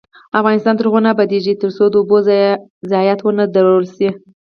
افغانستان تر هغو نه ابادیږي، ترڅو د اوبو ضایعات ونه درول شي.